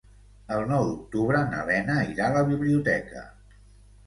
El nou d'octubre na Lena irà a la biblioteca.